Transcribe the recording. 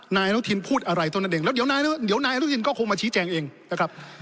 นายอนุทินพูดอะไรเท่านั้นเองแล้วเดี๋ยวนายอนุทินก็คงมาชี้แจงเองนะครับ